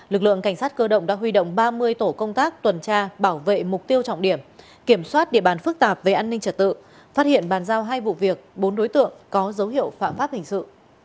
lực lượng cảnh sát cơ động đã huy động ba mươi tổ công tác tuần tra bảo vệ mục tiêu trọng điểm kiểm soát địa bàn phức tạp về an ninh trật tự phát hiện bàn giao hai vụ việc bốn đối tượng có dấu hiệu phạm pháp hình sự